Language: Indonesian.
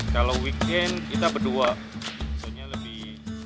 kalau weekend kita berdua maksudnya lebih